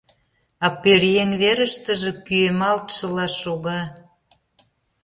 А пӧръеҥ верыштыже кӱэмалтшыла шога.